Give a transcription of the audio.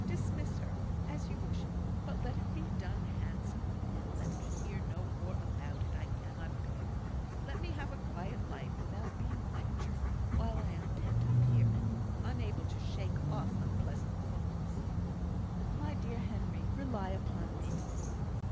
Dismiss her, as you wish it; but let it be done handsomely, and let me hear no more about it; I cannot bear it; let me have a quiet life, without being lectured while I am pent up here, and unable to shake off unpleasant thoughts." "My dear Henry, rely upon me."